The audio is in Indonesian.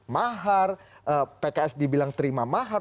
mahar pks dibilang terima mahar